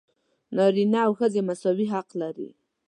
نارینه او ښځې مساوي حق لري.